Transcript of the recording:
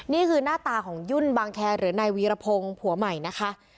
นี่คือหน้าตาของยุ่นบางแคร์หรือนายวีรพงศ์ผัวใหม่นะคะ